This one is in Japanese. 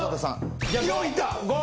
肆いった。